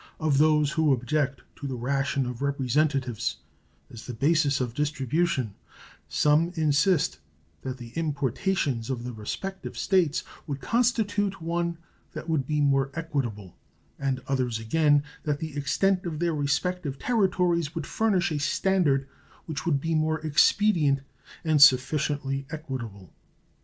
Of those who object to the ration of representatives as the basis of distribution, some insist that the importations of the respective States would constitute one that would be more equitable; and others again, that the extent of their respective territories would furnish a standard which would be more expedient and sufficiently equitable.